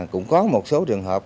cũng có một số trường hợp